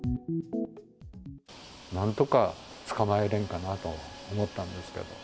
なんとか捕まえれんかなと思ったんですけど。